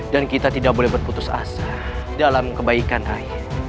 dan kita tidak boleh berputus asa dalam kebaikan rai